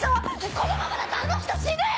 このままだとあの人死ぬよ！